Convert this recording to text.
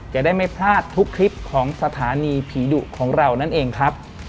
จะได้ไม่พลาดทุกคลิปของสถานีผีดุของเรานั่นเองครับ